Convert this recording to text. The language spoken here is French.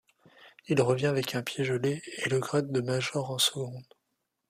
Il revient avec un pied gelé et le grade de major en second.